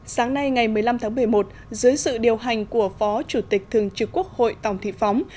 sáng nay ngày một mươi năm tháng một mươi một dưới sự điều hành của phó chủ tịch thường trực quốc hội tòng thị phóng